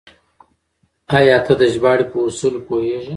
آيا ته د ژباړې په اصولو پوهېږې؟